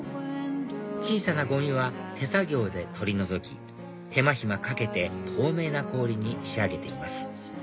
小さなゴミは手作業で取り除き手間暇かけて透明な氷に仕上げています